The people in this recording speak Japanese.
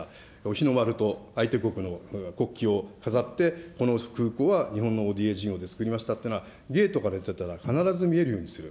日の丸と、相手国の国旗を飾って、この空港は日本のＯＤＡ事業で作りましたというのを、ゲートから出たら必ず見えるようにする。